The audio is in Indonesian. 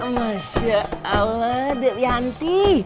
masya allah dek bianti